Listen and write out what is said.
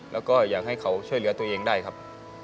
แล้วก็อยากให้เขาช่วยเหลือตัวเองได้ครับ